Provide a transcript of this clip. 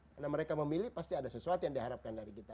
karena mereka memilih pasti ada sesuatu yang diharapkan dari kita